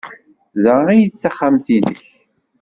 D ta ay d taxxamt-nnek?